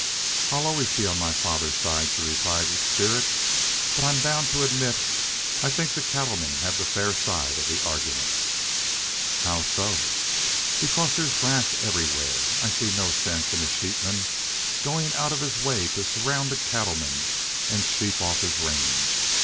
I'll always be on my father's side," she replied, with spirit. "But I'm bound to admit I think the cattlemen have the fair side of the argument." "How so?" "Because there's grass everywhere. I see no sense in a sheepman goin' out of his way to surround a cattleman an' sheep off his range.